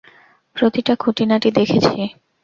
প্রতিটা খুটিনাটি দেখেছি।